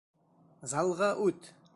Залға үт!